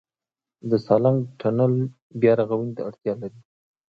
د سالنګ تونل بیارغونې ته اړتیا لري؟